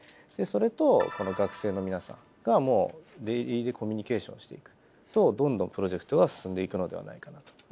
でそれとこの学生の皆さんがデイリーでコミュニケーションしていくとどんどんプロジェクトが進んでいくのではないかなと。